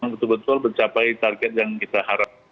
betul betul mencapai target yang kita harap